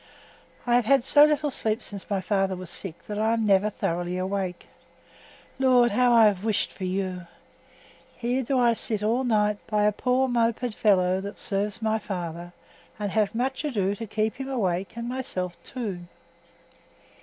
I have had so little sleep since my father was sick that I am never thoroughly awake. Lord, how I have wished for you! Here do I sit all night by a poor moped fellow that serves my father, and have much ado to keep him awake and myself too.